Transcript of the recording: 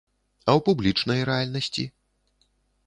А ў публічнай рэальнасці?